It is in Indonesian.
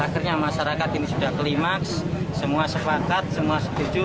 akhirnya masyarakat ini sudah klimaks semua sepakat semua setuju